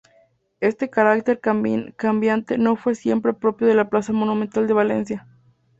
Este carácter cambiante no fue siempre propio de la Plaza Monumental de Valencia.